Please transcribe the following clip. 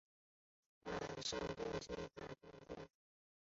圣伊波利特德卡通。